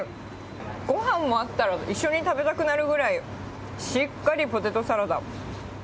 ごはんもあったら一緒に食べたくなるくらい、しっかりポテトサラダ。